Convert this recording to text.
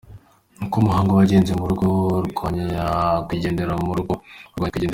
Uko umuhango wagenzeMu rugo kwa NyakwigenderaMu rugo rwa Nyakwigendera.